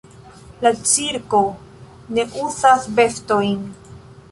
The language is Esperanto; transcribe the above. La cirko ne uzas bestojn.